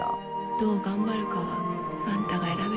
どう頑張るかはあんたが選べるんだよ。